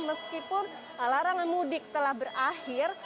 meskipun larangan mudik telah berakhir